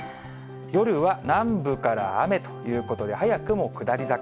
夜は南部から雨ということで、早くも下り坂。